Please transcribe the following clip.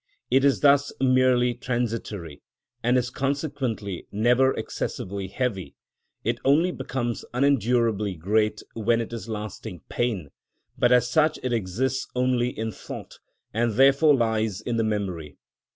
It is thus merely transitory, and is consequently never excessively heavy; it only becomes unendurably great when it is lasting pain; but as such it exists only in thought, and therefore lies in the memory.